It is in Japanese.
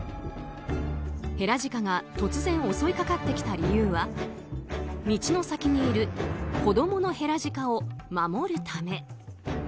ヘラジカが突然、襲いかかってきた理由は道の先にいる子供のヘラジカを守るため。